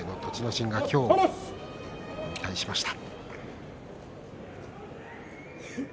心が今日、引退しました。